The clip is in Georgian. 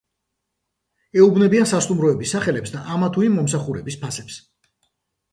ეუბნებიან სასტუმროების სახელებს და ამა თუ იმ მომსახურების ფასებს.